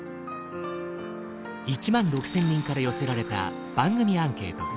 １万６，０００人から寄せられた番組アンケート。